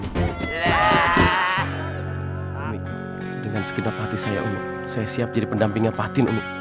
umi dengan segenap hati saya umi saya siap jadi pendampingnya fatin umi